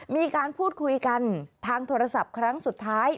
มีการพูดคุยกันทางโทรศัพท์ครั้งสุดท้าย